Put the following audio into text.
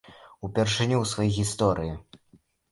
Упершыню ў сваёй гісторыі!